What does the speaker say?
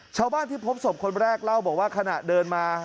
ชาวบ้านที่พบศพคนแรกเล่าบอกว่าขณะเดินมา